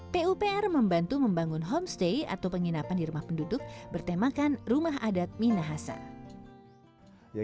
pupr membantu membangun homestay atau penginapan di rumah penduduk bertemakan rumah adat minahasa